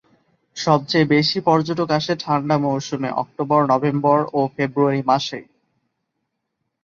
সবচেয়ে বেশি পর্যটক আসে ঠান্ডা মৌসুমে অক্টোবর, নভেম্বর ও ফেব্রুয়ারি মাসে।